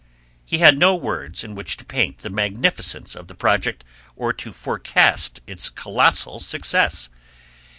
He had no words in which to paint the magnificence of the project, or to forecast its colossal success.